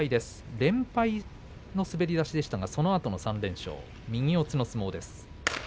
連敗の滑り出しでしたがそのあと３連勝右四つの相撲です。